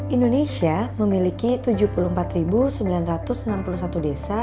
indonesia memiliki tujuh puluh empat sembilan ratus enam puluh satu desa